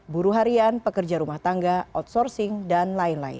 buruh harian pekerja rumah tangga outsourcing dan lain lain